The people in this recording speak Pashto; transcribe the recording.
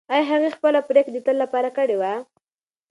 ایا هغې خپله پرېکړه د تل لپاره کړې وه؟